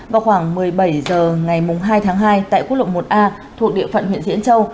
vào khoảng một mươi bảy h ngày hai tháng hai tại quốc lộ một a thuộc địa phận huyện diễn châu